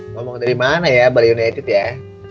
ngomong dari mana ya bali united ya